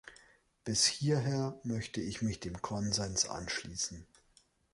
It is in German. Bis hierher möchte ich mich dem Konsens anschließen.